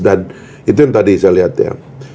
dan itu yang tadi saya lihat ya